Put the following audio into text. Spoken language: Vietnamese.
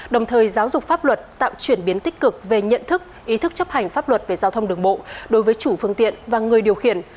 đồng thời giáo dục pháp luật tạo chuyển biến tích cực về nhận thức ý thức chấp hành pháp luật về giao thông đường bộ đối với chủ phương tiện và người điều khiển